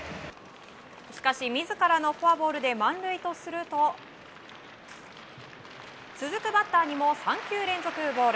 しかし自らのフォアボールで満塁とすると続くバッターにも３球連続ボール。